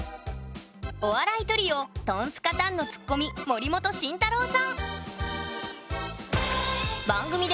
お笑いトリオトンツカタンのツッコミ森本晋太郎さん。